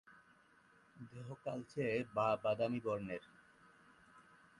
দেহ কালচে বা বাদামী বর্ণের।